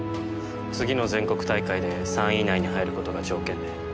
次の全国大会で３位以内に入る事が条件で。